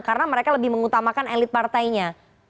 karena mereka lebih mengutamakan elit partainya